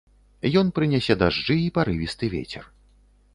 Ён прынясе дажджы і парывісты вецер.